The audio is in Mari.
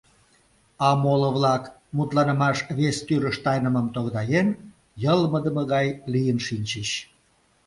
А моло-влак, мутланымаш вес тӱрыш тайнымым тогдаен, йылмыдыме гай лийын шинчыч.